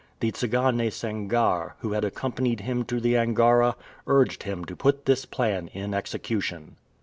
The Tsigane Sangarre, who had accompanied him to the Angara, urged him to put this plan in execution.